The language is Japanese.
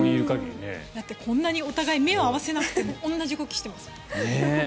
こんなにお互い目を合わせなくても同じ動きをしてますよ。